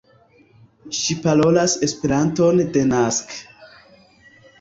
Ŝi parolas Esperanton denaske.